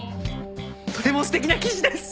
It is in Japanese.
とてもすてきな記事です！